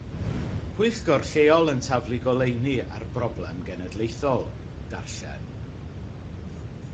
Pwyllgor Lleol yn Taflu Goleuni ar Broblem Genedlaethol: Darllen.